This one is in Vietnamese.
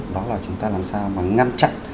đó là chúng ta làm sao mà ngăn chặn